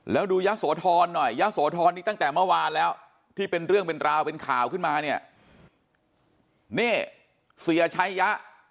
แล้วที่นี่เนี่ยนี่เสียใช้ยะ